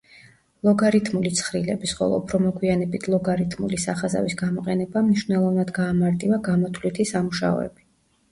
ლოგარითმული ცხრილების, ხოლო უფრო მოგვიანებით ლოგარითმული სახაზავის გამოყენებამ მნიშვნელოვნად გაამარტივა გამოთვლითი სამუშაოები.